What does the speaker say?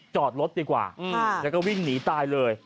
จอดรถดีกว่าแล้วก็วิ่งหนีตายเลย